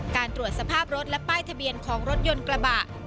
การตรวจสภาพรถและป้ายทะเบียนของรถยนต์กระบะ